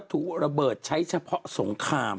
ถูกระเบิดใช้เฉพาะสงคราม